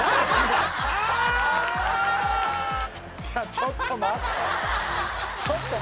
ちょっと待って。